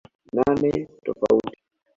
nane tofauti